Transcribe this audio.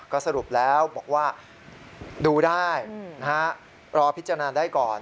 ก็สรุปแล้วบอกว่าดูได้รอพิจารณาได้ก่อน